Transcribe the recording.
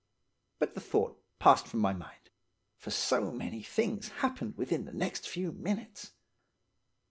But the thought passed from my mind, for so many things happened within the next few minutes.